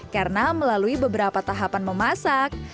karena melalui beberapa tahapan memasak